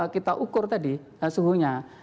kita ukur tadi suhunya